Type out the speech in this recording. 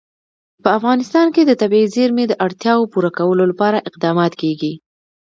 په افغانستان کې د طبیعي زیرمې د اړتیاوو پوره کولو لپاره اقدامات کېږي.